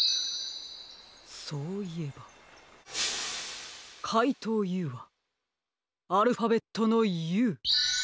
そういえばかいとうＵはアルファベットの「Ｕ」。